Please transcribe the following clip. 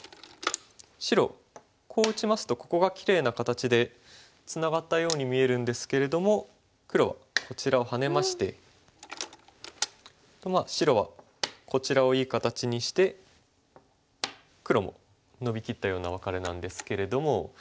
白こう打ちますとここがきれいな形でツナがったように見えるんですけれども黒はこちらをハネまして白はこちらをいい形にして黒もノビきったようなワカレなんですけれども。